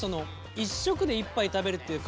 １食で１杯食べるっていうか